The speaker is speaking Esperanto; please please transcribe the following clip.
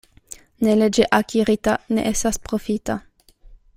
Neleĝe akirita ne estas profita.